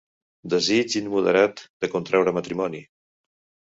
Desig immoderat de contraure matrimoni.